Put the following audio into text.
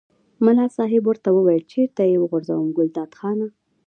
ملا صاحب ورته وویل چېرته یې وغورځوم ګلداد خانه.